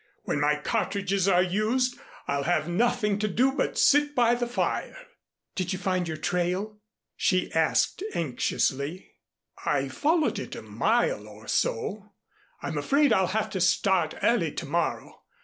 When my cartridges are used I'll have nothing to do but sit by the fire." "Did you find your trail?" she asked anxiously. "I followed it for a mile or so. I'm afraid I'll have to start early to morrow.